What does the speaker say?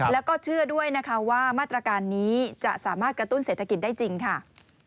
แล้วก็เชื่อด้วยนะคะว่ามาตรการนี้จะสามารถกระตุ้นเศรษฐกิจได้จริงค่ะ